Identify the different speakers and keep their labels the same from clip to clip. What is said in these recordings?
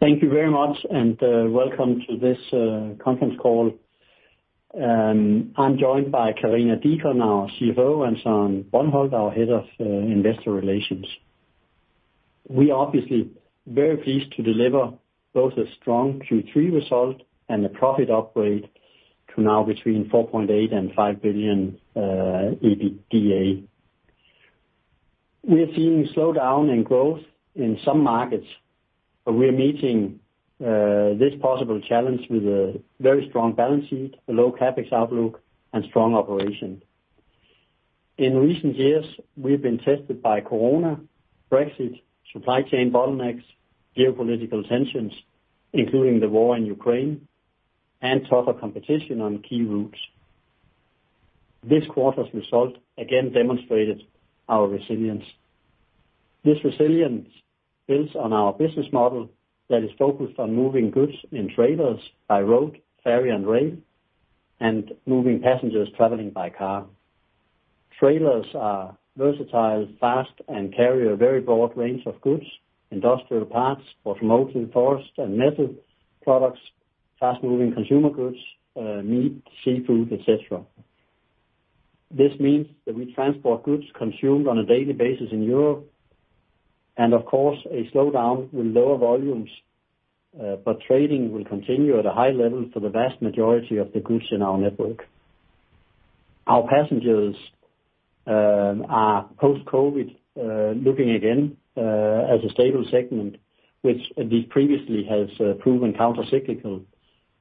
Speaker 1: Thank you very much and welcome to this conference call. I'm joined by Karina Deacon, our CFO, and Søren Brøndholt Nielsen, our Head of Investor Relations. We are obviously very pleased to deliver both a strong Q3 result and a profit upgrade to now between 4.8 billion and 5 billion EBITDA. We are seeing a slowdown in growth in some markets, but we are meeting this possible challenge with a very strong balance sheet, a low CapEx outlook, and strong operation. In recent years, we've been tested by Corona, Brexit, supply chain bottlenecks, geopolitical tensions, including the war in Ukraine, and tougher competition on key routes. This quarter's result again demonstrated our resilience. This resilience builds on our business model that is focused on moving goods in trailers by road, ferry, and rail, and moving passengers traveling by car. Trailers are versatile, fast, and carry a very broad range of goods, industrial parts, automotive, forest, and metal products, fast-moving consumer goods, meat, seafood, et cetera. This means that we transport goods consumed on a daily basis in Europe. Of course, a slowdown will lower volumes. Trading will continue at a high level for the vast majority of the goods in our network. Our passengers are, post-COVID, looking again as a stable segment, which at least previously has proven counter-cyclical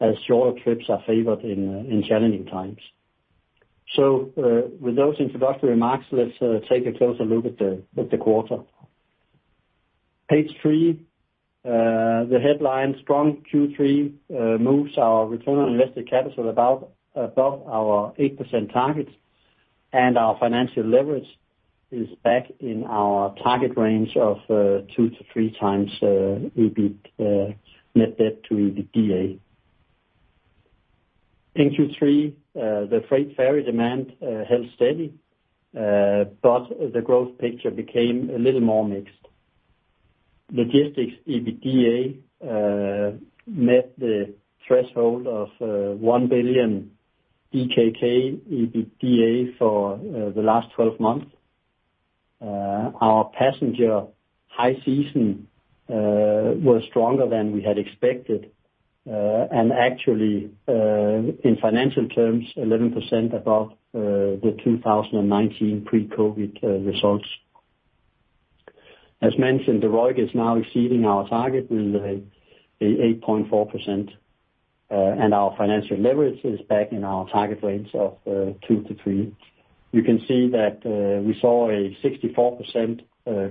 Speaker 1: as shorter trips are favored in challenging times. With those introductory remarks, let's take a closer look at the quarter.
Speaker 2: Page 3, the headline, strong Q3 moves our return on invested capital above our 8% target, and our financial leverage is back in our target range of 2x-3x net debt to EBITDA. In Q3, the freight ferry demand held steady, but the growth picture became a little more mixed. Logistics EBITDA met the threshold of 1 billion DKK EBITDA for the last 12 months. Our passenger high season was stronger than we had expected and actually, in financial terms, 11% above the 2019 pre-COVID results. As mentioned, the ROIC is now exceeding our target with 8.4%, and our financial leverage is back in our target range of 2-3. You can see that we saw a 64%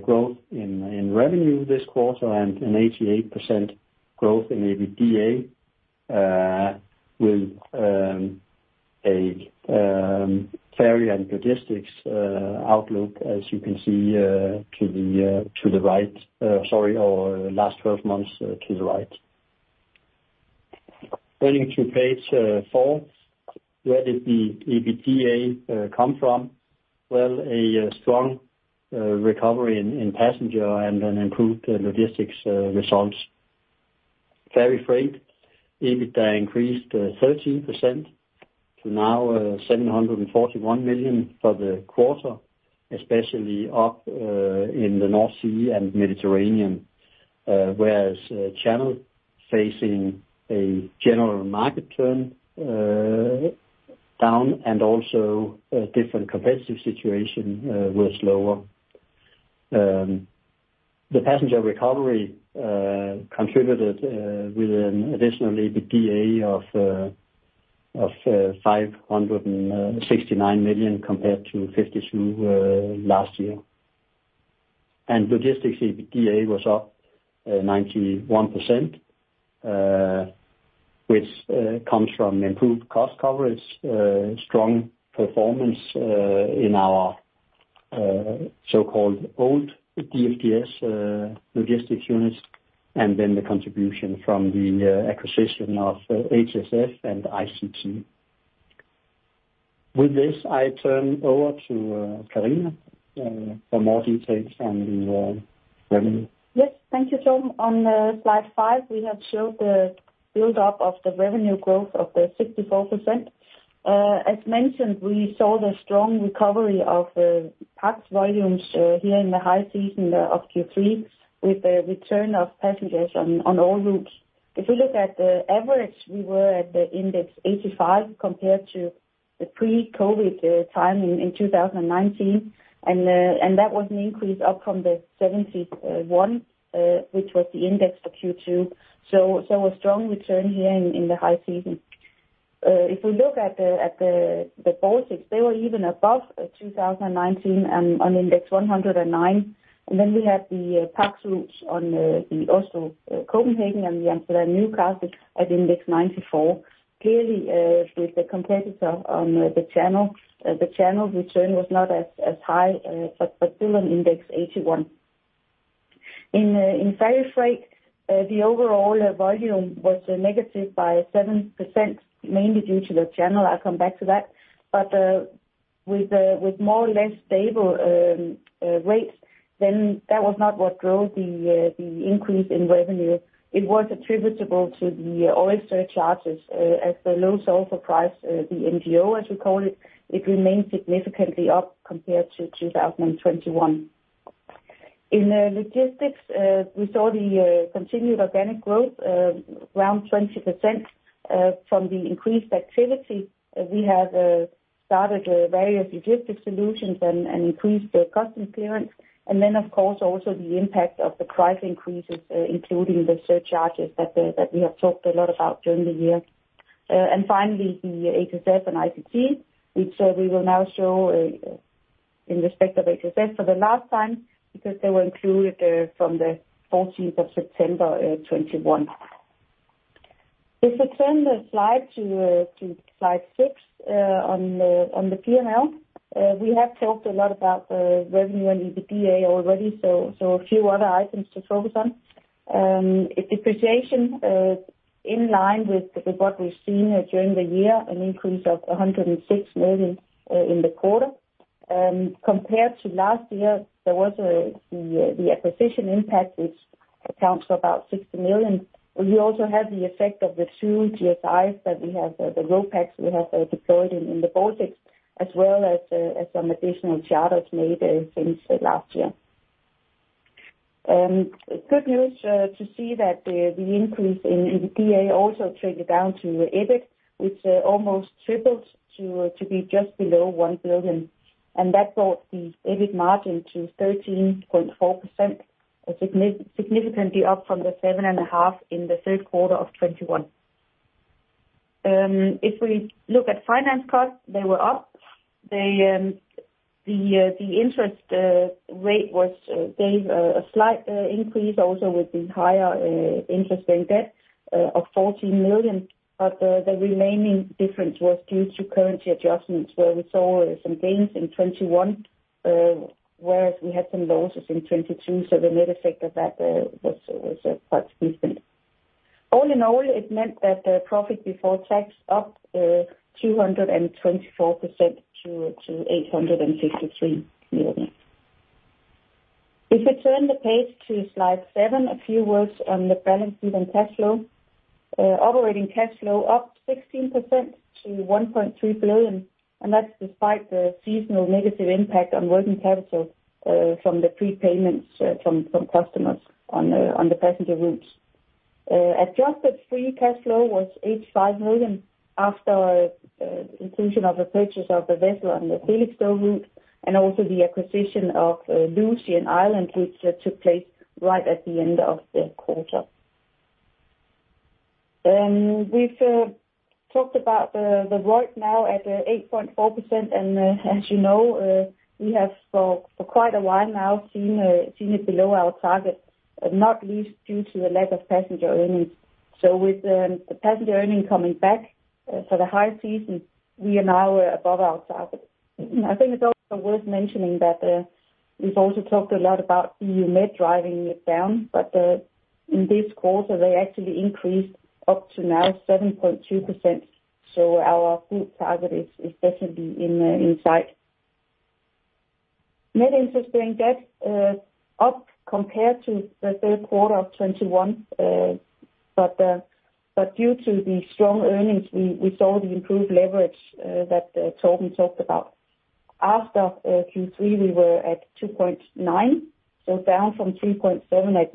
Speaker 2: growth in revenue this quarter and an 88% growth in EBITDA with a ferry and logistics outlook as you can see to the right. Sorry, our last 12 months to the right. Turning to page four. Where did the EBITDA come from? Well, a strong recovery in passenger and an improved logistics results. Ferry freight EBITDA increased 13% to now 741 million for the quarter, especially up in the North Sea and Mediterranean. Whereas Channel facing a general market turn down and also a different competitive situation was lower. The passenger recovery contributed with an additional EBITDA of 569 million compared to 52 last year. Logistics EBITDA was up 91%, which comes from improved cost coverage, strong performance in our so-called old DLGS logistics units, and then the contribution from the acquisition of HSF and ICT. With this, I turn over to Karina for more details on the revenue.
Speaker 3: Yes. Thank you, Søren. On Slide 5, we have showed the build up of the revenue growth of the 64%. As mentioned, we saw the strong recovery of pax volumes here in the high season of Q3 with the return of passengers on all routes. If you look at the average, we were at the index 85 compared to the pre-COVID time in 2019. That was an increase up from the 71, which was the index for Q2. A strong return here in the high season. If we look at the Baltics, they were even above 2019 on index 109. We have the pax routes on the Oslo-Copenhagen and the Amsterdam-Newcastle at index 94. Clearly, uh, with the competitor on the channel, uh, the channel return was not as high, uh, but still on index eighty-one. In, uh, in ferry freight, uh, the overall volume was negative by seven percent, mainly due to the channel. I'll come back to that. But, uh-With, uh, with more or less stable, um, uh, rates, then that was not what drove the, uh, the increase in revenue. It was attributable to the oil surcharges, uh, as the low sulfur price, uh, the MGO, as we call it remains significantly up compared to two thousand and twenty-one. In, uh, logistics, uh, we saw the, uh, continued organic growth, uh, around twenty percent, uh, from the increased activity. We have, uh, started various logistic solutions and increased the custom clearance. Of course, also the impact of the price increases, including the surcharges that we have talked a lot about during the year. Finally the HSF and ICT, which we will now show in respect of HSF for the last time because they were included from the 14th of September 2021. If we turn the slide to slide six on the P&L. We have talked a lot about the revenue and EBITDA already, so a few other items to focus on. Depreciation, in line with what we've seen during the year, an increase of 106 million in the quarter. Compared to last year, there was the acquisition impact which accounts for about 60 million. We also had the effect of the two GSIs that we have, the RoPax we have deployed in the Baltics, as well as some additional charters made since last year. Good news to see that the increase in EBITDA also trickled down to EBIT, which almost tripled to be just below 1 billion. That brought the EBIT margin to 13.4%, significantly up from 7.5% in the third quarter of 2021. If we look at finance costs, they were up. The interest rate gave a slight increase also with the higher interest and debt of 40 million. The remaining difference was due to currency adjustments, where we saw some gains in 2021, whereas we had some losses in 2022, so the net effect of that was quite decent. All in all, it meant that the profit before tax up 224% to 863 million. If we turn the page to slide 7, a few words on the balance sheet and cash flow. Operating cash flow up 16% to 1.3 billion, and that's despite the seasonal negative impact on working capital from the prepayments from customers on the passenger routes. Adjusted free cash flow was 85 million after inclusion of the purchase of the vessel on the Felixstowe route and also the acquisition of Lucey Transport Logistics, which took place right at the end of the quarter. We've talked about the ROIC now at 8.4%. As you know, we have for quite a while now seen it below our target, not least due to the lack of passenger earnings. With the passenger earning coming back for the high season, we are now above our target. I think it's also worth mentioning that we've also talked a lot about BU Med driving it down, but in this quarter, they actually increased up to now 7.2%. Our full target is definitely in sight. Net interest-bearing debt up compared to the third quarter of 2021. Due to the strong earnings, we saw the improved leverage that Torben talked about. As of Q3, we were at 2.9, so down from 3.7 at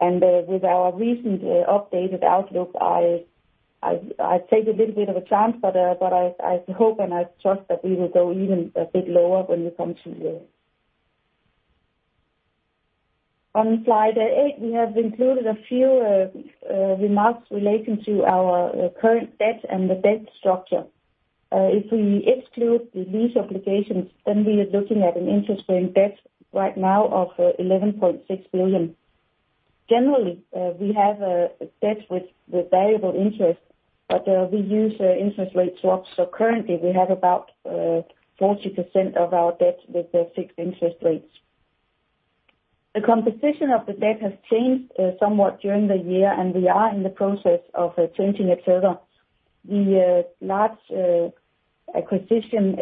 Speaker 3: year-end. With our recent updated outlook, I take a little bit of a chance, but I hope and I trust that we will go even a bit lower when we come to the end. On slide eight, we have included a few remarks relating to our current debt and the debt structure. If we exclude the lease obligations, then we are looking at an interest-bearing debt right now of 11.6 billion. Generally, we have a debt with variable interest, but we use interest rate swaps. Currently we have about 40% of our debt with the fixed interest rates. The composition of the debt has changed somewhat during the year, and we are in the process of changing it further. The large acquisition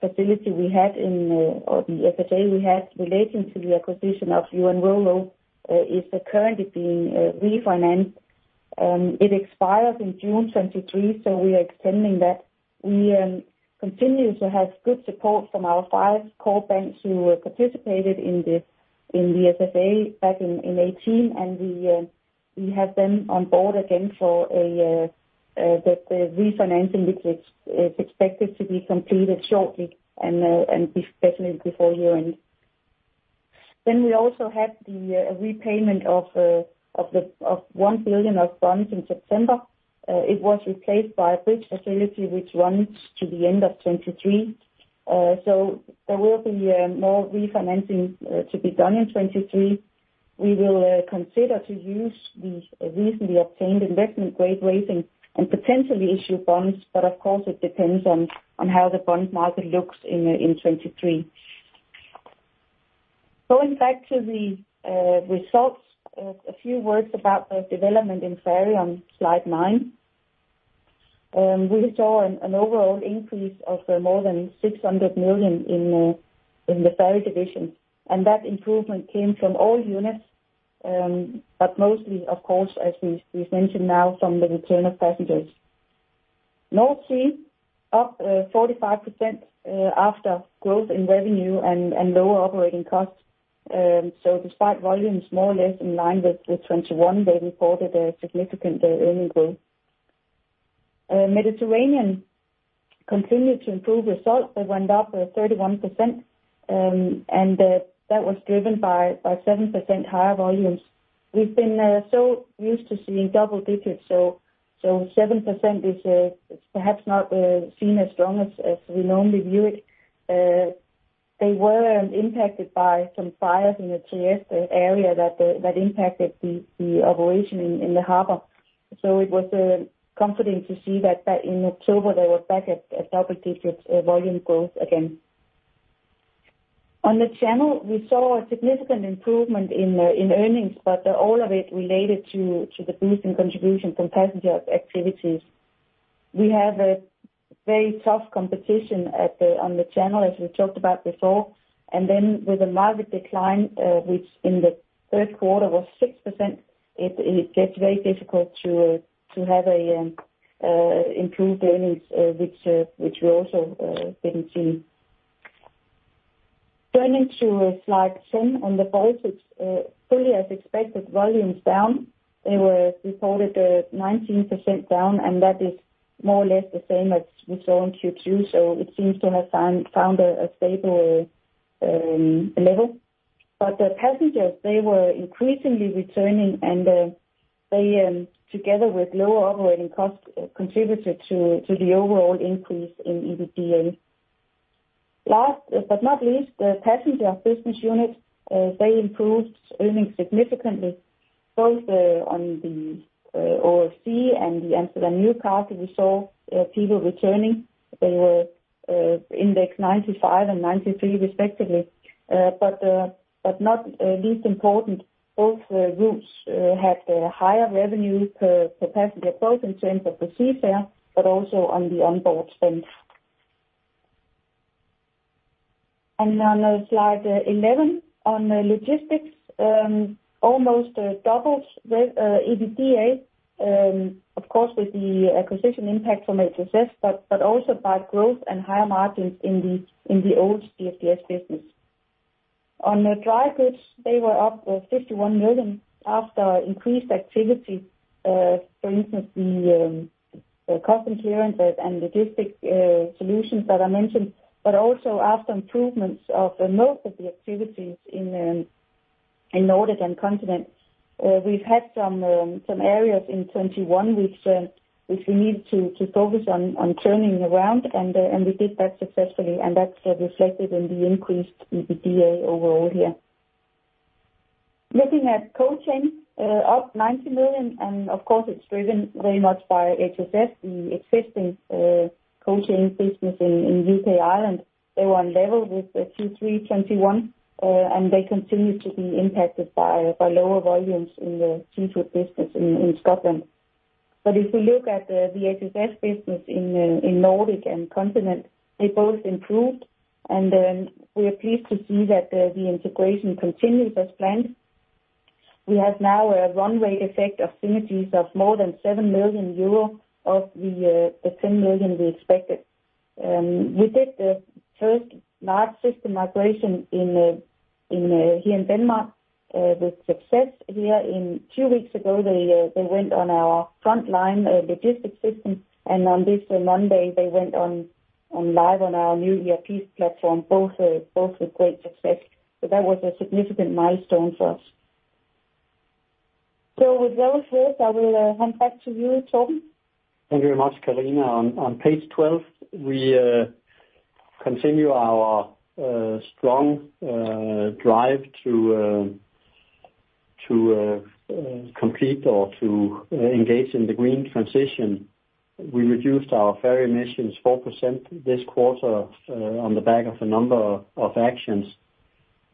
Speaker 3: facility we had or the SFA we had relating to the acquisition of U.N. Ro-Ro is currently being refinanced. It expires in June 2023, so we are extending that. We continue to have good support from our five core banks who participated in the SFA back in 2018. We have them on board again for the refinancing which is expected to be completed shortly and definitely before year-end. We also had the repayment of 1 billion of bonds in September. It was replaced by a bridge facility which runs to the end of 2023. There will be more refinancing to be done in 2023. We will consider to use the recently obtained investment grade rating and potentially issue bonds, but of course it depends on how the bond market looks in 2023. Going back to the results. A few words about the development in ferry on slide nine. We saw an overall increase of more than 600 million in the ferry division, and that improvement came from all units, but mostly, of course, as we mentioned now from the return of passengers. North Sea up 45% after growth in revenue and lower operating costs. Despite volumes more or less in line with 2021, they reported a significant earning growth. Mediterranean continued to improve results. They went up 31%, and that was driven by 7% higher volumes. We've been so used to seeing double digits, so 7% is perhaps not seen as strong as we normally view it. They were impacted by some fires in the Trieste area that impacted the operation in the harbor. It was comforting to see that in October, they were back at double digits volume growth again. On the Channel, we saw a significant improvement in earnings, but all of it related to the boost in contribution from passenger activities. We have a very tough competition on the Channel, as we talked about before. With a market decline, which in the third quarter was 6%, it gets very difficult to have improved earnings, which we also didn't see. Turning to slide 10 on the Bulk. It's fully as expected, volumes down. They were reported 19% down, and that is more or less the same as we saw in Q2, so it seems to have found a stable level. The passengers, they were increasingly returning and they, together with lower operating costs, contributed to the overall increase in EBITDA. Last but not least, the passenger business unit, they improved earnings significantly. Both on the OFC and the Amsterdam-Newcastle, we saw people returning. They were index 95 and 93 respectively. Not least important, both routes had higher revenues per passenger both in terms of the seafare, but also on the onboard spend. On slide 11 on logistics, almost doubled the EBITDA, of course, with the acquisition impact from HSF, but also by growth and higher margins in the old DFDS business. On the Dry Goods, they were up 51 million after increased activity, for instance, the custom clearance and logistics solutions that I mentioned. Also after improvements of most of the activities in Nordic and Continent. We've had some areas in 2021 which we need to focus on turning around, and we did that successfully, and that's reflected in the increased EBITDA overall here. Looking at Cold Chain, up 90 million, and of course, it's driven very much by HSF. The existing Cold Chain business in U.K., Ireland, they were on level with Q3 2021. They continue to be impacted by lower volumes in the seafood business in Scotland. If we look at the HSF business in Nordic and Continent, they both improved, and we are pleased to see that the integration continues as planned. We have now a runway effect of synergies of more than 7 million euro of the 10 million we expected. We did the first large system migration here in Denmark with success here two weeks ago. They went on our Frontline logistics system, and on this Monday, they went on live on our new ERP platform, both with great success. That was a significant milestone for us. With those words, I will hand back to you, Torben.
Speaker 1: Thank you very much, Karina. On page 12, we continue our strong drive to complete or to engage in the green transition. We reduced our ferry emissions 4% this quarter on the back of a number of actions,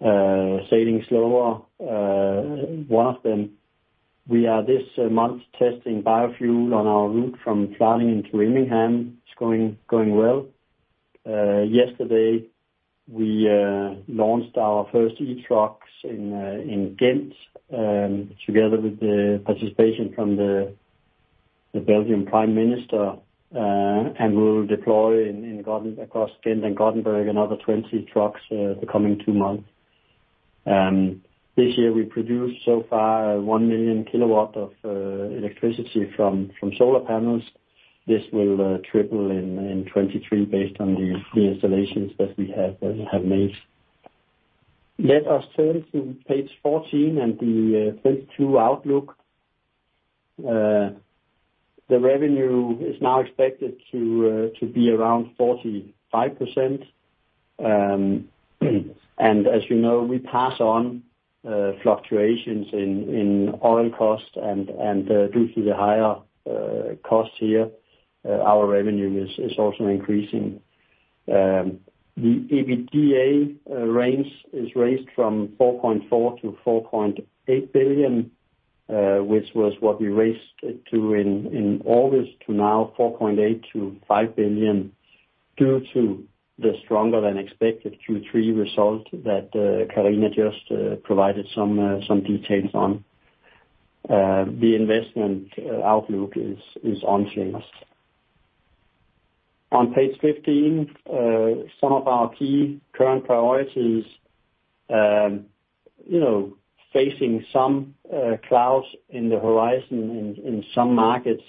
Speaker 1: sailing slower one of them. We are this month testing biofuel on our route from Vlissingen to Immingham. It's going well. Yesterday we launched our first e-trucks in Ghent together with the participation from the Belgium Prime Minister. We'll deploy in Ghent across Ghent and Gothenburg another 20 trucks the coming two months. This year we produced so far 1 million kilowatt of electricity from solar panels. This will triple in 2023 based on the installations that we have made. Let us turn to page 14 and the 2022 outlook. The revenue is now expected to be around 45%. As you know, we pass on fluctuations in oil costs and due to the higher costs here, our revenue is also increasing. The EBITDA range is raised from 4.4 billion-4.8 billion, which was what we raised it to in August, to now 4.8 billion-5 billion due to the stronger than expected Q3 result that Karina just provided some details on. The investment outlook is unchanged. On page 15, some of our key current priorities facing some clouds in the horizon in some markets,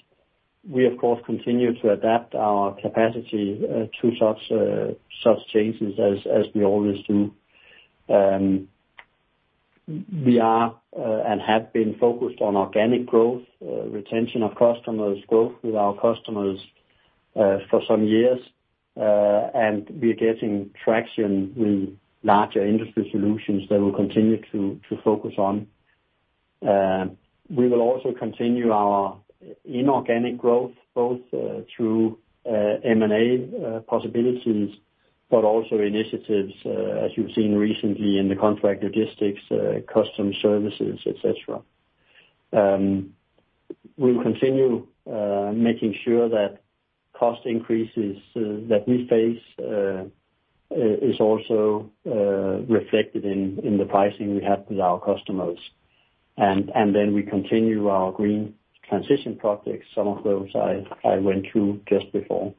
Speaker 1: we of course continue to adapt our capacity to such changes as we always do. We are and have been focused on organic growth, retention of customers, growth with our customers for some years, and we're getting traction with larger industry solutions that we'll continue to focus on. We will also continue our inorganic growth, both through M&A possibilities, but also initiatives as you've seen recently in the contract logistics, custom services, et cetera. We'll continue making sure that cost increases that we face is also reflected in the pricing we have with our customers. We continue our green transition projects, some of those I went through just before.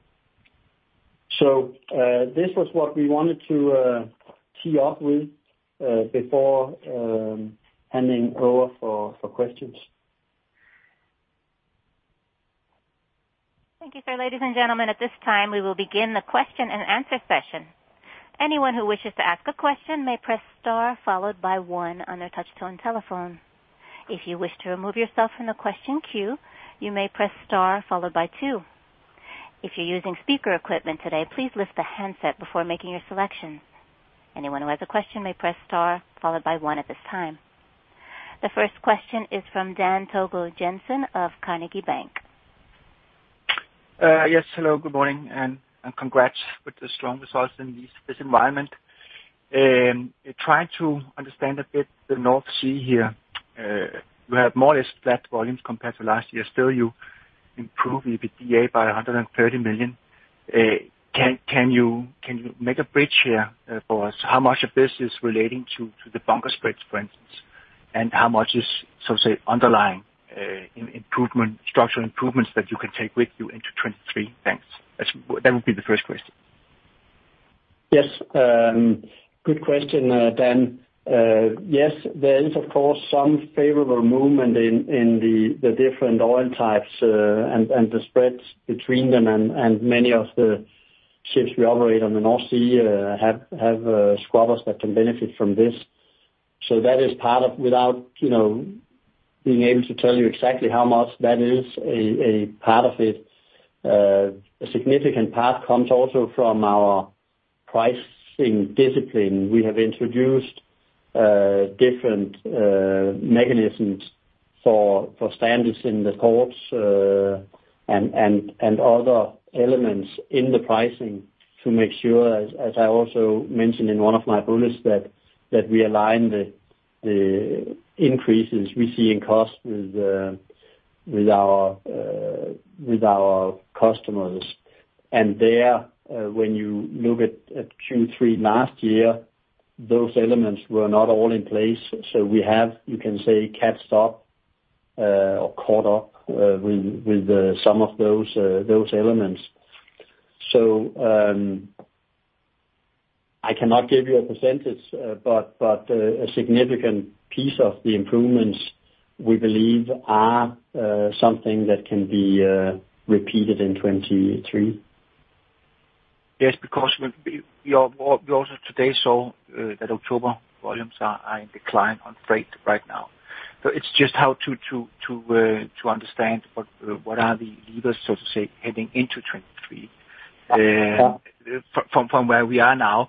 Speaker 1: This was what we wanted to tee off with before handing over for questions.
Speaker 4: Thank you, sir. Ladies and gentlemen, at this time, we will begin the question and answer session. Anyone who wishes to ask a question may press star followed by 1 on their touch-tone telephone. If you wish to remove yourself from the question queue, you may press star followed by 2. If you're using speaker equipment today, please lift the handset before making your selection. Anyone who has a question may press star followed by 1 at this time. The first question is from Dan Togo Jensen of Carnegie Bank.
Speaker 5: Yes. Hello, good morning, and congrats with the strong results in this environment. Trying to understand a bit the North Sea here. You have more or less flat volumes compared to last year. Still, you improved EBITDA by 130 million. Can you make a bridge here for us? How much of this is relating to the bunker spreads, for instance? How much is, so say, underlying structural improvements that you can take with you into 2023? Thanks. That would be the first question.
Speaker 1: Yes, good question, Dan. Yes, there is of course some favorable movement in the different oil types and the spreads between them and many of the ships we operate on the North Sea have scrubbers that can benefit from this. That is part of without being able to tell you exactly how much that is a part of it. A significant part comes also from our pricing discipline. We have introduced different mechanisms for standards in the ports and other elements in the pricing to make sure, as I also mentioned in one of my bullets, that we align the increases we see in cost with our customers. There, when you look at Q3 last year, those elements were not all in place. We have, you can say, caught up with some of those elements. I cannot give you a percentage, but a significant piece of the improvements we believe are something that can be repeated in 2023.
Speaker 5: Yes, because we also today saw that October volumes are in decline on freight right now. It's just how to understand what are the levers, so to say, heading into 2023. From where we are now,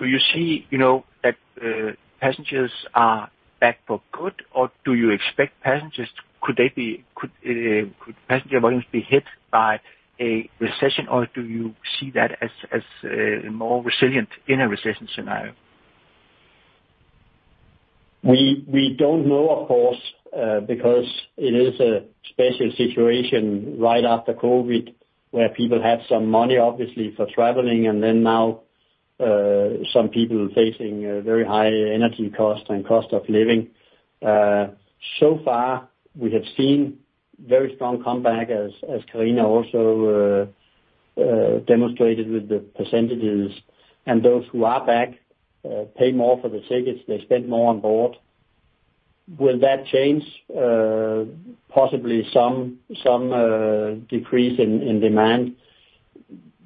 Speaker 5: do you see that passengers are back for good, or could passenger volumes be hit by a recession, or do you see that as more resilient in a recession scenario?
Speaker 1: We don't know, of course, because it is a special situation right after COVID, where people have some money, obviously, for traveling. Now some people facing very high energy costs and cost of living. So far we have seen very strong comeback as Karina Deacon also demonstrated with the percentages. Those who are back pay more for the tickets, they spend more on board. Will that change? Possibly some decrease in demand.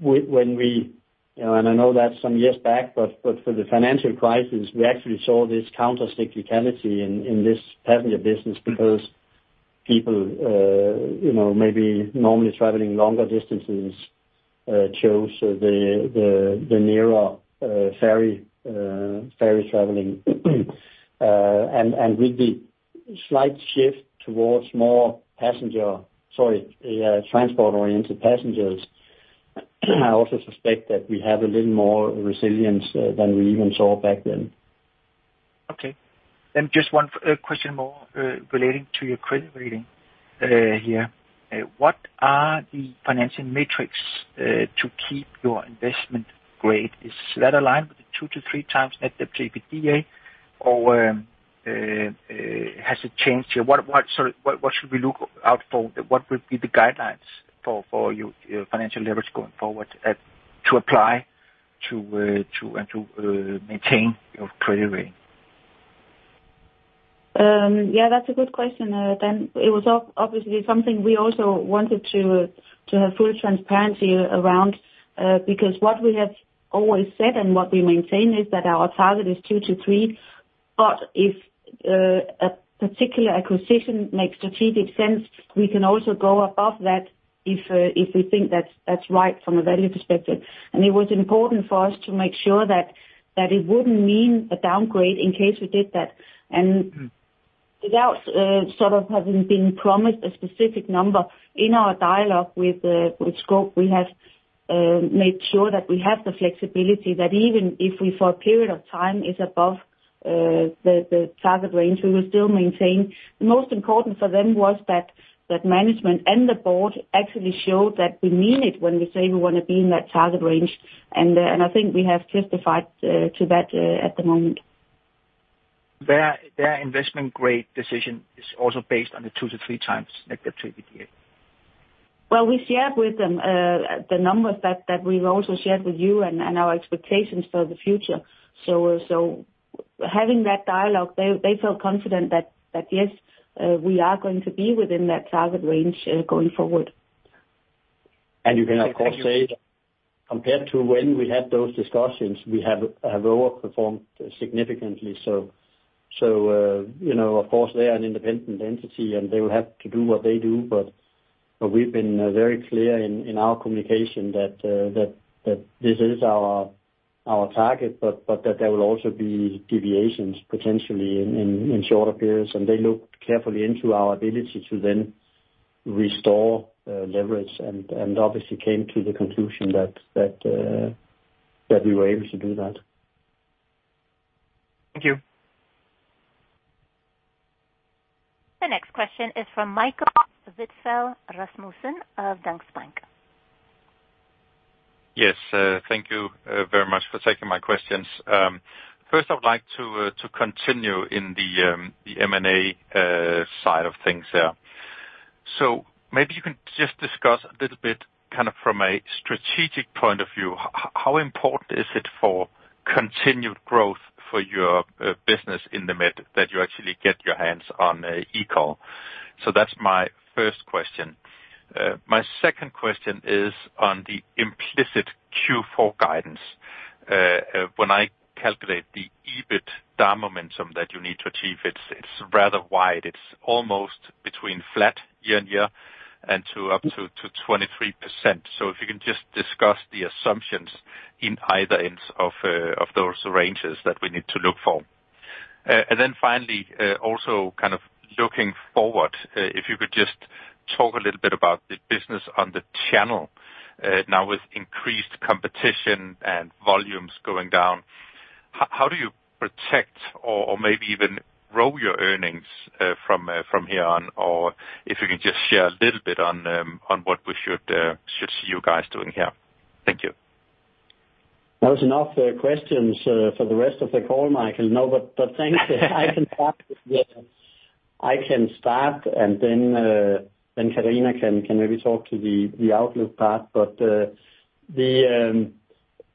Speaker 1: When we, and I know that's some years back, but for the financial crisis, we actually saw this countercyclicality in this passenger business because people maybe normally traveling longer distances, chose the nearer ferry traveling. Sorry, transport-oriented passengers, I also suspect that we have a little more resilience than we even saw back then.
Speaker 5: Okay. Just one question more relating to your credit rating here. What are the financial metrics to keep your investment grade? Is that aligned with the 2x-3x net of EBITDA? Has it changed here? What, sorry, what should we look out for? What would be the guidelines for your financial leverage going forward to apply to and to maintain your credit rating?
Speaker 3: Yeah, that's a good question. It was obviously something we also wanted to have full transparency around because what we have always said, and what we maintain, is that our target is 2-3. If a particular acquisition makes strategic sense, we can also go above that if we think that's right from a value perspective. It was important for us to make sure that it wouldn't mean a downgrade in case we did that. Without sort of having been promised a specific number, in our dialogue with Scope, we have made sure that we have the flexibility that even if we for a period of time is above the target range, we will still maintain. The most important for them was that management and the board actually showed that we mean it when we say we wanna be in that target range. I think we have justified to that at the moment.
Speaker 5: Their investment grade decision is also based on the 2-3 times net of EBITDA.
Speaker 3: Well, we shared with them the numbers that we've also shared with you and our expectations for the future. Having that dialogue, they felt confident that, yes, we are going to be within that target range going forward.
Speaker 1: You can of course say that compared to when we had those discussions, we have overperformed significantly so. You know, of course they are an independent entity, and they will have to do what they do. We've been very clear in our communication that this is our target, but that there will also be deviations potentially in shorter periods. They looked carefully into our ability to then restore leverage and obviously came to the conclusion that we were able to do that.
Speaker 5: Thank you.
Speaker 4: The next question is from Michael Vitfell-Rasmussen of Danske Bank.
Speaker 6: Yes. Thank you very much for taking my questions. First I would like to continue in the M&A side of things, yeah. Maybe you can just discuss a little bit, kind of from a strategic point of view, how important is it for continued growth for your business in the Med that you actually get your hands on Ekol? That's my first question. My second question is on the implicit Q4 guidance. When I calculate the EBITDA momentum that you need to achieve, it's rather wide. It's almost between flat year-over-year and up to 23%. If you can just discuss the assumptions in either ends of those ranges that we need to look for. Finally, also kind of looking forward, if you could just talk a little bit about the business on the Channel, now with increased competition and volumes going down, how do you protect or maybe even grow your earnings from here on? If you can just share a little bit on what we should see you guys doing here. Thank you.
Speaker 1: There were enough questions for the rest of the call, Michael. No, but thanks. I can start and then Karina can maybe talk to the outlook part but the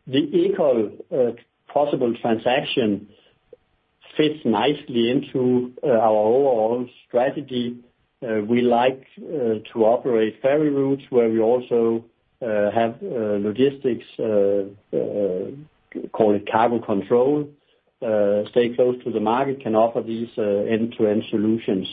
Speaker 1: Ekol possible transaction fits nicely into our wall strategy we like to operate routes where we also have logistics, call it cargo control, stay close to the market, can offer these end-to-end solutions.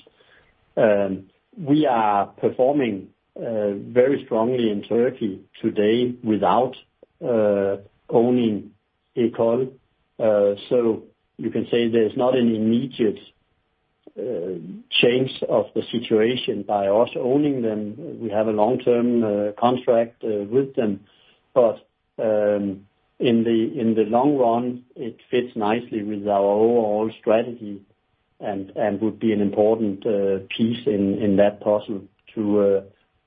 Speaker 1: We are performing very strongly in Turkey today without owning Ekol. So, you can say there is not an immediate change of the situation by us owning them. We have a long term contract with them In the long run, it fits nicely with our overall strategy and would be an important piece in that puzzle to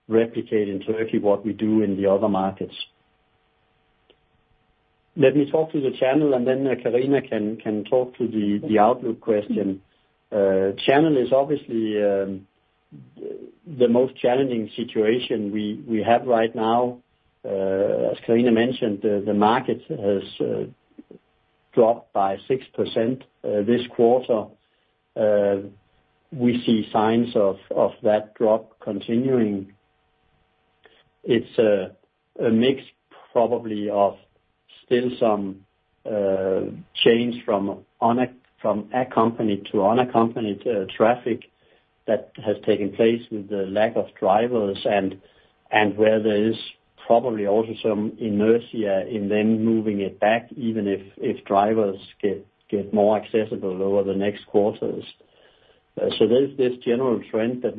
Speaker 1: replicate in Turkey what we do in the other markets. Let me talk to the Channel, and then Karina can talk to the outlook question. Channel is obviously the most challenging situation we have right now. As Karina mentioned, the market has dropped by 6% this quarter. We see signs of that drop continuing. It's a mix probably of still some change from accompanied to unaccompanied traffic that has taken place with the lack of drivers and where there is probably also some inertia in them moving it back, even if drivers get more accessible over the next quarters. There's this general trend that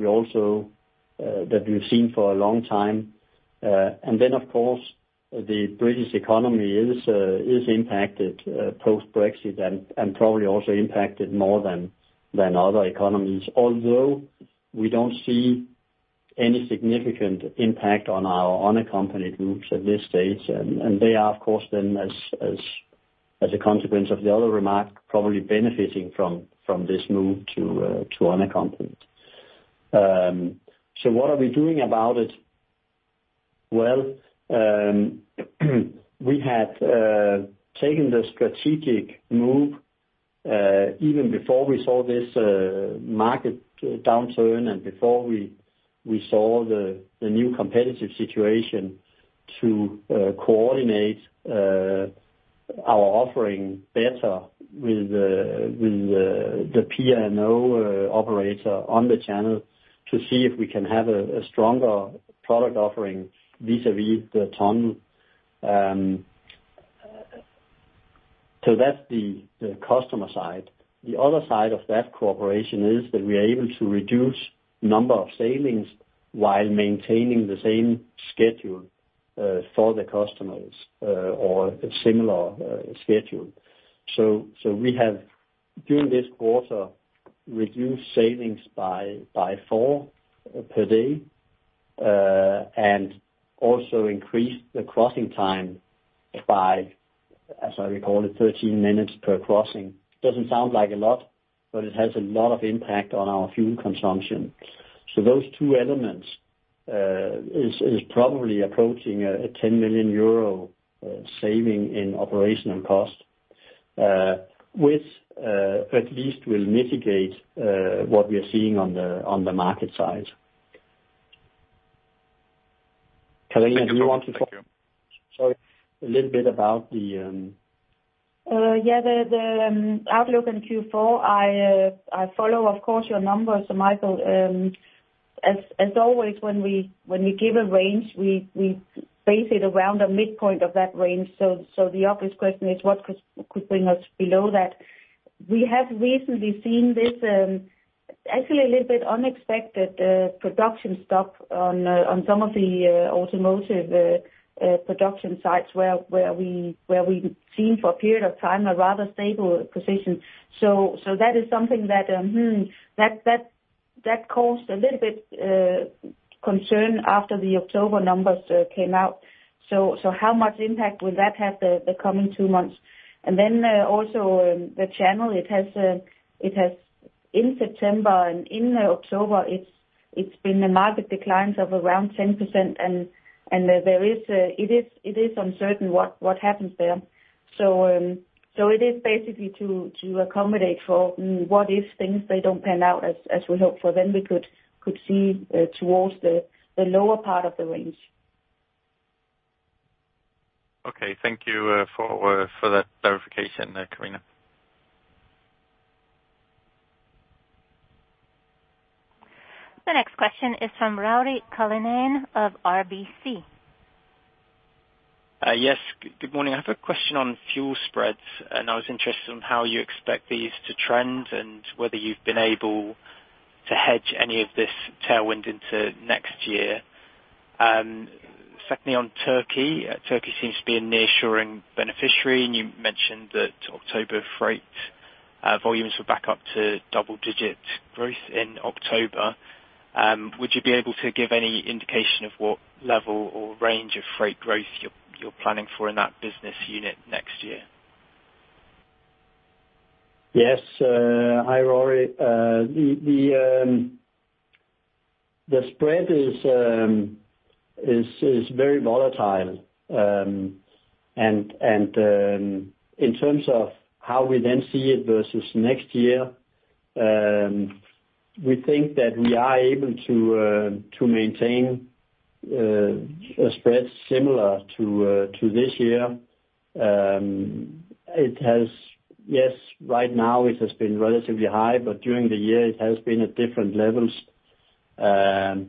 Speaker 1: we've seen for a long time. Of course, the British economy is impacted post-Brexit and probably also impacted more than other economies. Although we don't see any significant impact on our unaccompanied groups at this stage, and they are of course then as a consequence of the other remark, probably benefiting from this move to unaccompanied. What are we doing about it? Well, we had taken the strategic move even before we saw this market downturn and before we saw the new competitive situation to coordinate our offering better with the P&O operator on the Channel to see if we can have a stronger product offering vis-à-vis the Tunnel. That's the customer side. The other side of that cooperation is that we are able to reduce number of sailings while maintaining the same schedule for the customers or a similar schedule. We have, during this quarter, reduced sailings by four per day and also increased the crossing time by, as I recall, 13 minutes per crossing. Doesn't sound like a lot, but it has a lot of impact on our fuel consumption. Those two elements is probably approaching a 10 million euro saving in operational cost, which at least will mitigate what we are seeing on the market side. Karina, do you want to talk?
Speaker 6: Thank you.
Speaker 1: Sorry.
Speaker 3: Yeah, the outlook in Q4, I follow of course your numbers, Michael. As always, when we give a range, we base it around the midpoint of that range. The obvious question is what could bring us below that. We have recently seen this actually a little bit unexpected production stop on some of the automotive production sites where we've seen for a period of time a rather stable position. That is something that caused a little bit concern after the October numbers came out. How much impact will that have the coming two months? Also the Channel, in September and in October, it's been the market declines of around 10% and it is uncertain what happens there. It is basically to accommodate for what if things, they don't pan out as we hope for, then we could see towards the lower part of the range.
Speaker 6: Okay. Thank you for that clarification, Karina.
Speaker 4: The next question is from Ruairi Cullinane of RBC.
Speaker 7: Yes. Good morning. I have a question on fuel spreads, and I was interested on how you expect these to trend and whether you've been able to hedge any of this tailwind into next year. Secondly, on Turkey. Turkey seems to be a nearshoring beneficiary, and you mentioned that October freight volumes were back up to double-digit growth in October. Would you be able to give any indication of what level or range of freight growth you're planning for in that business unit next year?
Speaker 1: Yes. Hi Ruairi. The spread is very volatile. In terms of how we then see it versus next year, we think that we are able to maintain a spread similar to this year. Yes, right now it has been relatively high, but during the year it has been at different levels. The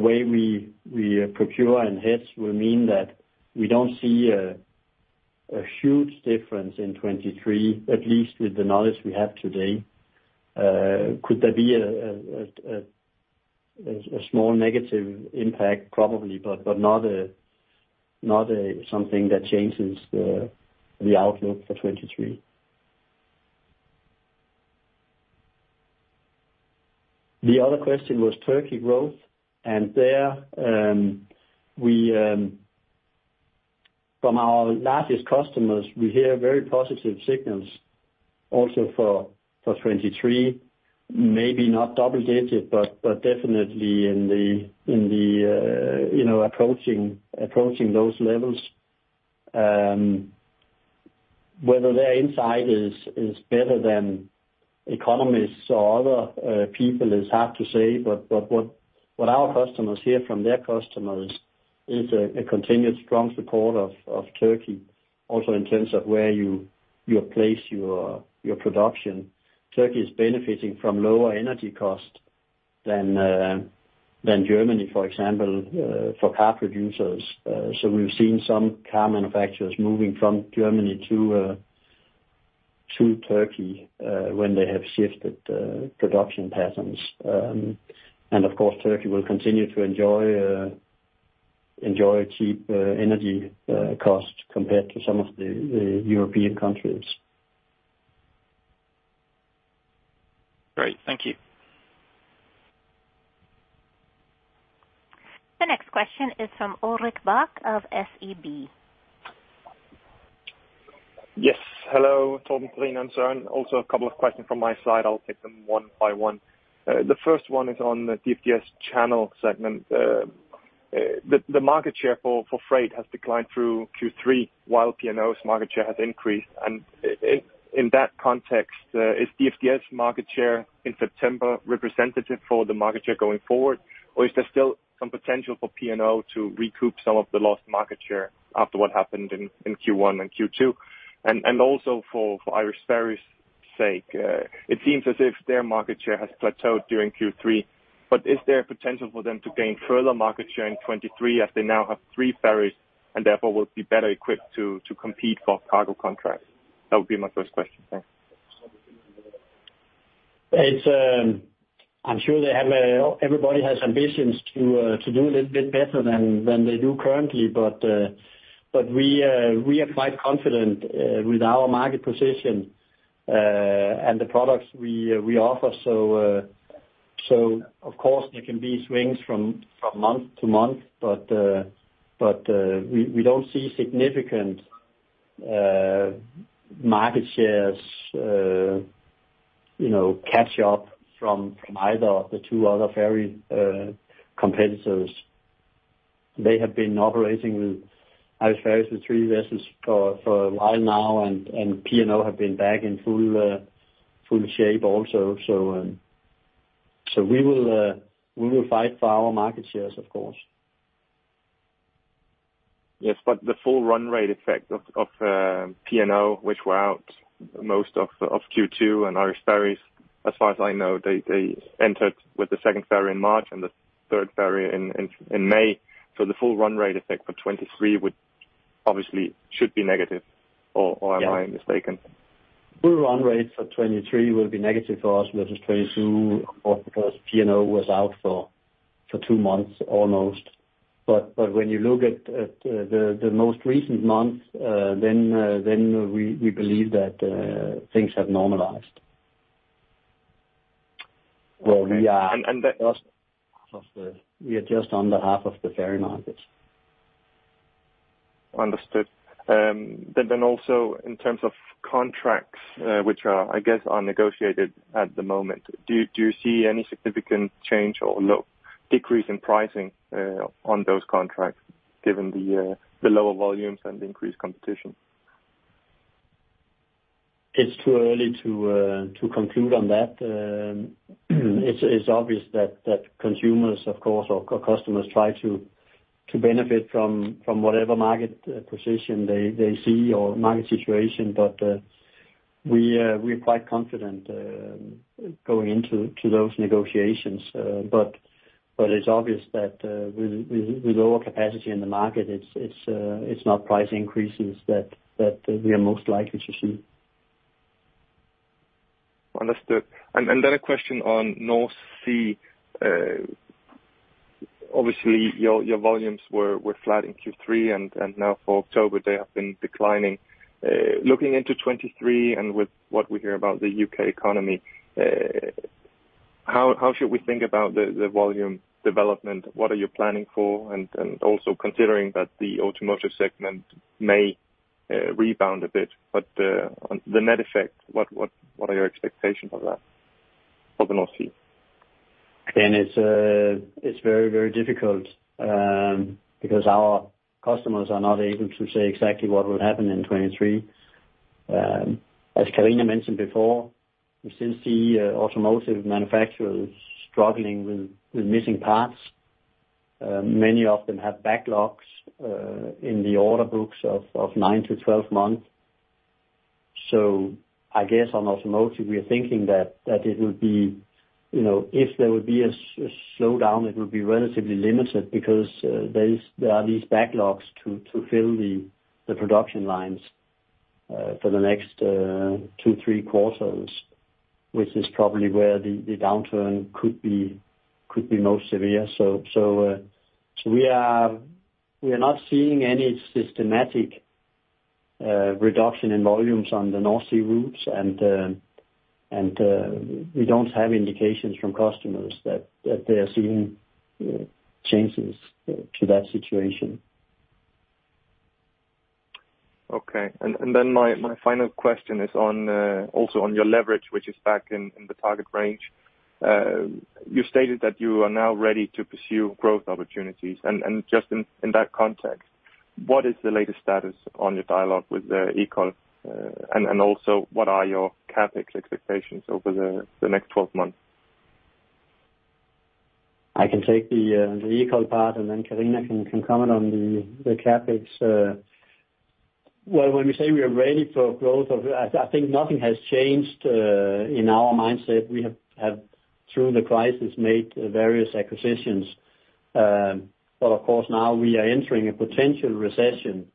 Speaker 1: way we procure and hedge will mean that we don't see a huge difference in 2023, at least with the knowledge we have today. Could there be a small negative impact? Probably, but not something that changes the outlook for 2023. The other question was Turkey growth. There, from our largest customers, we hear very positive signals also for 2023. Maybe not double digits, but definitely approaching those levels. Whether their insight is better than economists or other people is hard to say. What our customers hear from their customers is a continued strong support of Turkey. Also in terms of where you place your production. Turkey is benefiting from lower energy costs than Germany, for example, for car producers. We've seen some car manufacturers moving from Germany to Turkey when they have shifted production patterns. Of course, Turkey will continue to enjoy cheap energy costs compared to some of the European countries.
Speaker 8: Great. Thank you.
Speaker 4: The next question is from Ulrik Bak of SEB.
Speaker 8: Yes. Hello, Torben Carlsen. Also a couple of questions from my side. I'll take them one by one. The first one is on the DFDS Channel segment. The market share for freight has declined through Q3 while P&O's market share has increased. In that context, is DFDS market share in September representative for the market share going forward, or is there still some potential for P&O to recoup some of the lost market share after what happened in Q1 and Q2? Also for Irish Ferries' sake, it seems as if their market share has plateaued during Q3, but is there potential for them to gain further market share in 2023, as they now have three ferries and therefore will be better equipped to compete for cargo contracts? That would be my first question. Thanks.
Speaker 1: I'm sure everybody has ambitions to do a little bit better than they do currently. We are quite confident with our market position and the products we offer. Of course there can be swings from month to month. We don't see significant market shares catch up from either of the two other ferry competitors. They have been operating with Irish Ferries, the three vessels for a while now, and P&O have been back in full shape also. We will fight for our market shares, of course.
Speaker 8: Yes, the full run rate effect of P&O, which were out most of Q2, and Irish Ferries, as far as I know, they entered with the second ferry in March and the third ferry in May. The full run rate effect for 2023 obviously should be negative, or am I mistaken?
Speaker 1: Full run rates for 2023 will be negative for us versus 2022, of course, because P&O was out for two months almost. When you look at the most recent months, then we believe that things have normalized.
Speaker 8: And, and the-
Speaker 1: We are just on the half of the ferry markets.
Speaker 8: Understood. Also in terms of contracts, which, I guess, are negotiated at the moment, do you see any significant change or no decrease in pricing on those contracts given the lower volumes and increased competition?
Speaker 1: It's too early to conclude on that. It's obvious that consumers, of course, or customers try to benefit from whatever market position they see or market situation. We're quite confident going into those negotiations. It's obvious that with lower capacity in the market, it's not price increases that we are most likely to see.
Speaker 8: Understood. A question on North Sea. Obviously your volumes were flat in Q3, and now for October they have been declining. Looking into 2023 and with what we hear about the U.K. economy, how should we think about the volume development? What are you planning for? Also considering that the automotive segment may rebound a bit, but on the net effect, what are your expectations of the North Sea?
Speaker 1: Again, it's very, very difficult because our customers are not able to say exactly what will happen in 2023. As Karina mentioned before, we still see automotive manufacturers struggling with missing parts. Many of them have backlogs in the order books of nine-12 months. I guess on automotive, we are thinking that it will be if there will be a slowdown, it will be relatively limited because there are these backlogs to fill the production lines for the next two-three quarters, which is probably where the downturn could be most severe. We are not seeing any systematic reduction in volumes on the North Sea routes. We don't have indications from customers that they are seeing changes to that situation.
Speaker 8: Okay. My final question is also on your leverage, which is back in the target range.
Speaker 6: You stated that you are now ready to pursue growth opportunities, and just in that context, what is the latest status on your dialogue with Ekol? Also, what are your CapEx expectations over the next 12 months?
Speaker 1: I can take the Ekol part, and then Karina can comment on the CapEx. Well, when we say we are ready for growth, I think nothing has changed in our mindset. We have, through the crisis, made various acquisitions. Of course, now we are entering a potential recession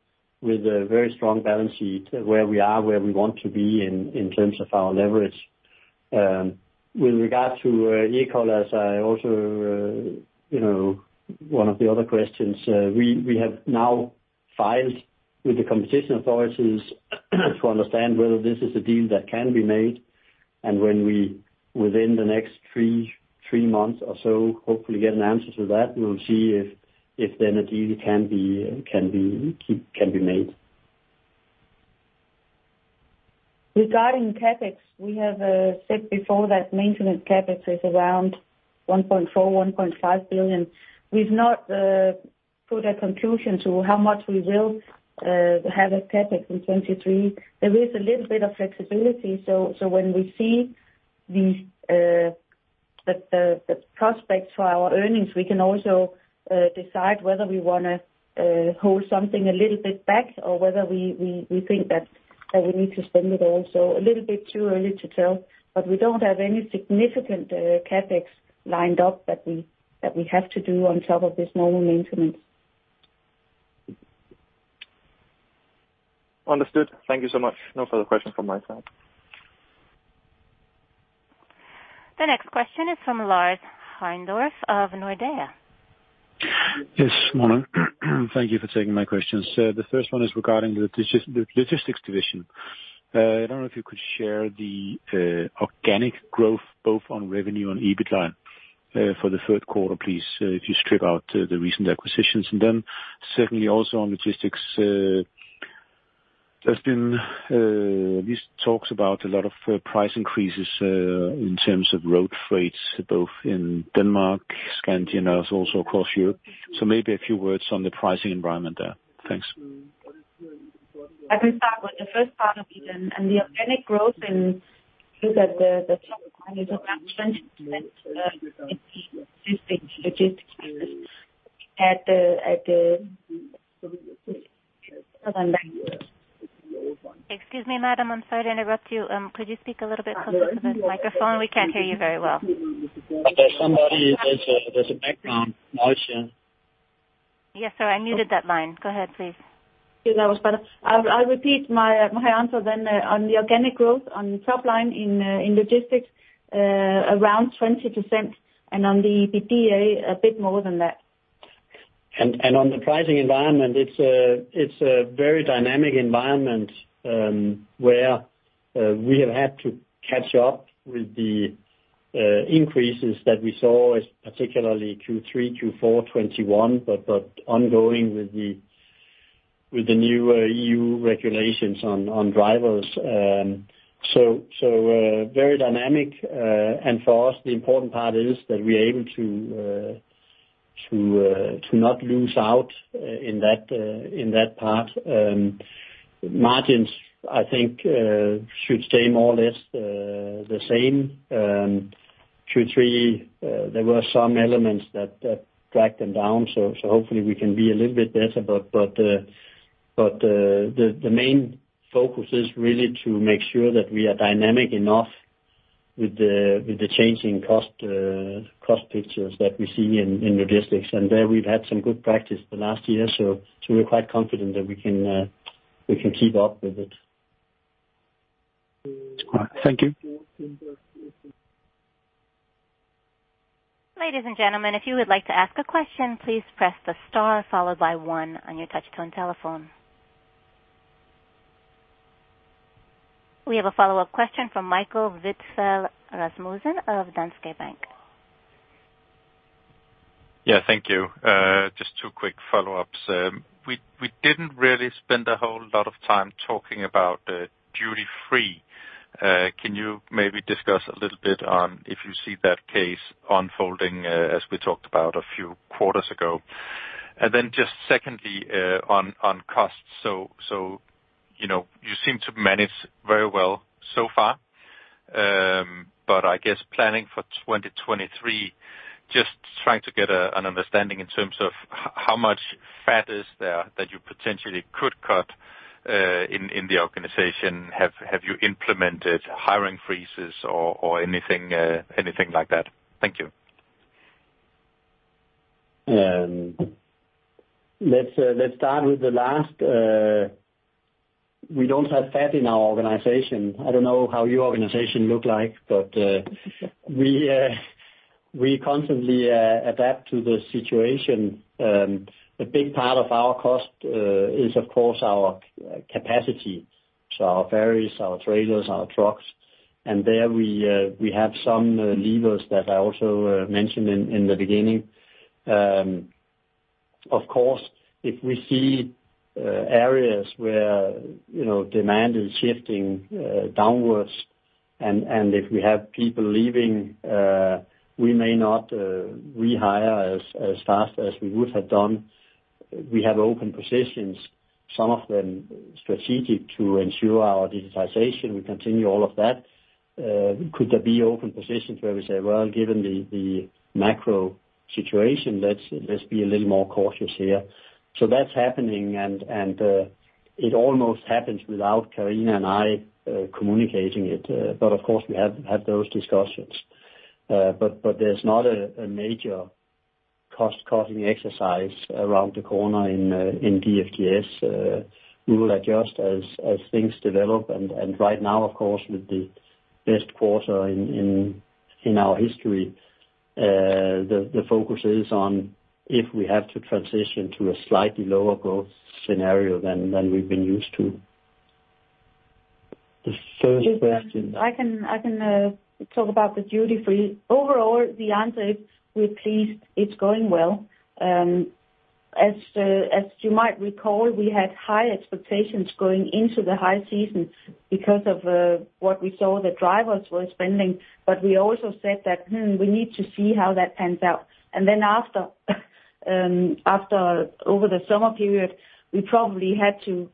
Speaker 1: with a very strong balance sheet where we are, where we want to be in terms of our leverage. With regard to Ekol, as I also one of the other questions, we have now filed with the competition authorities to understand whether this is a deal that can be made and when we, within the next 3 months or so, hopefully get an answer to that. We'll see if then a deal can be made.
Speaker 3: Regarding CapEx, we have said before that maintenance CapEx is around 1.4 billion-1.5 billion. We've not put a conclusion to how much we will have as CapEx in 2023. There is a little bit of flexibility, so when we see the prospects for our earnings, we can also decide whether we wanna hold something a little bit back or whether we think that we need to spend it all. A little bit too early to tell, but we don't have any significant CapEx lined up that we have to do on top of this normal maintenance.
Speaker 6: Understood. Thank you so much. No further questions from my side.
Speaker 4: The next question is from Lars Heindorff of Nordea.
Speaker 9: Yes, morning. Thank you for taking my questions. The first one is regarding the Logistics Division. I don't know if you could share the organic growth both on revenue and EBIT line for the third quarter, please, if you strip out the recent acquisitions. Certainly also on logistics, there's been these talks about a lot of price increases in terms of road freights, both in Denmark, Scandinavia, also across Europe. Maybe a few words on the pricing environment there. Thanks.
Speaker 3: I can start with the first part of it and the organic growth in, you said the top line is around 20% in the logistics business.
Speaker 4: Excuse me, madam. I'm sorry to interrupt you. Could you speak a little bit closer to the microphone? We can't hear you very well.
Speaker 1: There's a background noise, yeah.
Speaker 4: Yes, sir, I muted that line. Go ahead, please.
Speaker 3: Yeah, that was better. I'll repeat my answer then on the organic growth on top line in logistics around 20% and on the EBITDA a bit more than that.
Speaker 1: On the pricing environment, it's a very dynamic environment where we have had to catch up with the increases that we saw, particularly Q3, Q4 2021, but ongoing with the new E.U. regulations on drivers. Very dynamic. For us, the important part is that we're able to not lose out in that part. Margins, I think, should stay more or less the same. Q3, there were some elements that dragged them down, so hopefully we can be a little bit better. The main focus is really to make sure that we are dynamic enough with the changing cost pictures that we see in logistics. There we've had some good practice the last year, so we're quite confident that we can keep up with it.
Speaker 9: All right. Thank you.
Speaker 4: Ladies and gentlemen, if you would like to ask a question, please press the star followed by one on your touch-tone telephone. We have a follow-up question from Michael Vitfell-Rasmussen of Danske Bank.
Speaker 6: Yeah. Thank you. Just two quick follow-ups. We didn't really spend a whole lot of time talking about duty-free. Can you maybe discuss a little bit on if you see that case unfolding as we talked about a few quarters ago? Just secondly on costs. You know, you seem to manage very well so far, but I guess planning for 2023, just trying to get an understanding in terms of how much fat is there that you potentially could cut in the organization. Have you implemented hiring freezes or anything like that? Thank you.
Speaker 1: Let's start with the last. We don't have fat in our organization. I don't know how your organization look like, but we constantly adapt to the situation. A big part of our cost is of course our capacity, so our ferries, our trailers, our trucks, and there we have some levers that I also mentioned in the beginning. Of course, if we see areas where demand is shifting downwards and if we have people leaving, we may not rehire as fast as we would have done. We have open positions, some of them strategic to ensure our digitization. We continue all of that. Could there be open positions where we say, well, given the macro situation, let's be a little more cautious here? That's happening and it almost happens without Karina and I communicating it. Of course we have had those discussions. There's not a major cost-cutting exercise around the corner in DFDS. We will adjust as things develop. Right now of course with the best quarter in our history, the focus is on if we have to transition to a slightly lower growth scenario than we've been used to. The first question.
Speaker 3: I can talk about the duty-free. Overall, the answer is we're pleased, it's going well. As you might recall, we had high expectations going into the high season because of what we saw the drivers were spending. We also said that we need to see how that pans out. After over the summer period, we probably had to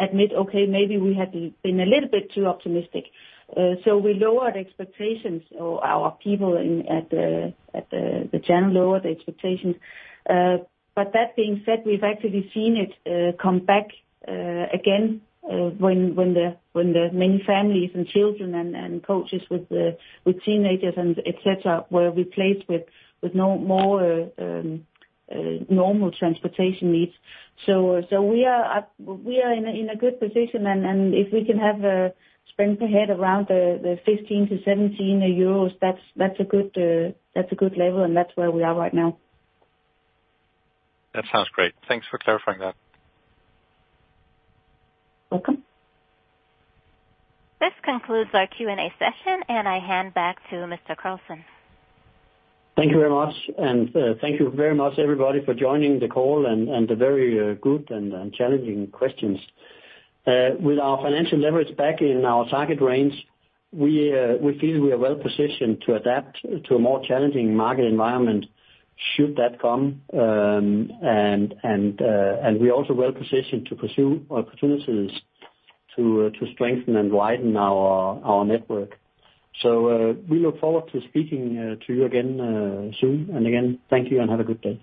Speaker 3: admit, okay, maybe we had been a little bit too optimistic. We lowered expectations, or our people at the Channel lowered the expectations. That being said, we've actually seen it come back again when the many families and children and coaches with teenagers and et cetera, were replaced with more normal transportation needs. We are in a good position, and if we can have a spread around the 15-17 euros, that's a good level and that's where we are right now.
Speaker 6: That sounds great. Thanks for clarifying that.
Speaker 3: Welcome.
Speaker 4: This concludes our Q&A session, and I hand back to Mr. Carlsen.
Speaker 1: Thank you very much, and thank you very much everybody for joining the call and the very good and challenging questions. With our financial leverage back in our target range, we feel we are well positioned to adapt to a more challenging market environment should that come. We're also well positioned to pursue opportunities to strengthen and widen our network. We look forward to speaking to you again soon. Again, thank you and have a good day.